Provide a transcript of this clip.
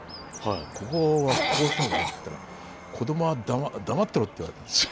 「ここはこうした方がいい」って言ったら「子どもは黙ってろ！」って言われたんですよ。